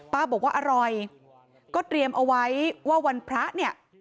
บอกว่าอร่อยก็เตรียมเอาไว้ว่าวันพระเนี่ย